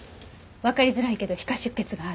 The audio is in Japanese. わかりづらいけど皮下出血がある。